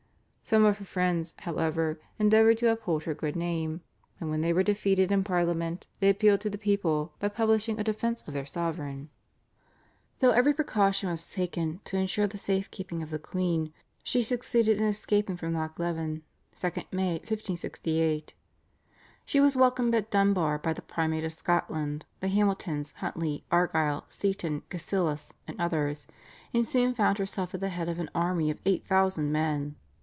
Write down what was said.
Some of her friends, however, endeavoured to uphold her good name, and when they were defeated in Parliament they appealed to the people by publishing a defence of their sovereign. Though every precaution was taken to ensure the safe keeping of the queen, she succeeded in escaping from Loch Leven (2 May 1568). She was welcomed at Dunbar by the Primate of Scotland, the Hamiltons, Huntly, Argyll, Seaton, Cassillis, and others, and soon found herself at the head of an army of eight thousand men.